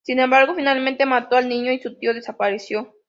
Sin embargo, finalmente mató al niño y su tío desapareció.